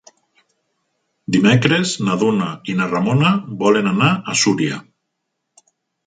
Dimecres na Duna i na Ramona volen anar a Súria.